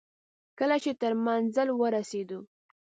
کله چې تر منزل ورسېدو.